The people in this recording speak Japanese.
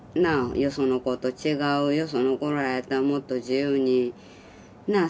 よその子と違うよその子らやったらもっと自由になあ